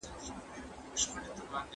که څه هم هغه په غیر مستقیم ډول و.